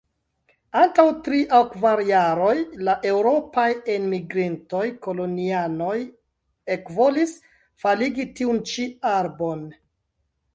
Antaŭ tri aŭ kvar jaroj la eŭropaj enmigrintoj-kolonianoj ekvolis faligi tiun ĉi arbon.